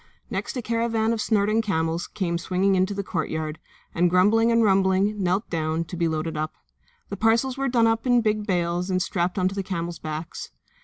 Next a caravan of snorting camels came swinging in to the courtyard and, grumbling and rumbling, knelt down, to be loaded up. The parcels were done up in big bales and strapped on to the camels' backs.